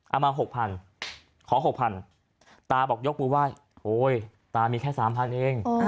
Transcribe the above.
เอามาหกพันขอหกพันตาบอกยกปุ๊บว่าโอ้ยตามีแค่สามพันเอง